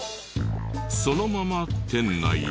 そのまま店内へ。